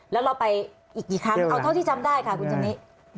แล้วเราไปอีกกี่ครั้งเอาเท่าที่จำได้ค่ะคุณจำนิ